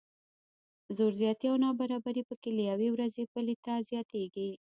زور زیاتی او نابرابري پکې له یوې ورځې بلې ته زیاتیږي.